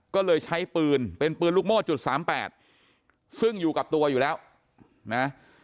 ก็เลยใช้ปืนเป็นปืนลูกโม่จุดสามแปดซึ่งอยู่กับตัวอยู่แล้วนะ